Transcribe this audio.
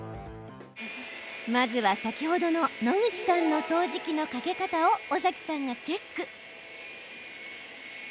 まずは、先ほどの野口さんの掃除機のかけ方を尾崎さんがチェック。